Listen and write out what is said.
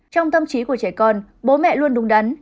trong tâm trí của trẻ con bố mẹ luôn đúng đắn